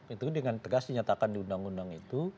itu dengan tegas dinyatakan di undang undang itu